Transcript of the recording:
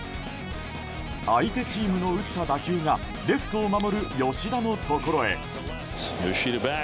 相手チームの打った打球がレフトを守る吉田のところへ。